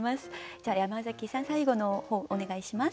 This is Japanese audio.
じゃあ山崎さん最後の方お願いします。